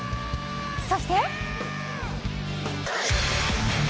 そして。